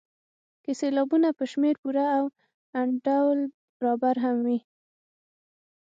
که سېلابونه په شمېر پوره او انډول برابر هم وي.